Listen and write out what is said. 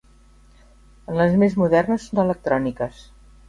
En les més modernes, són electròniques.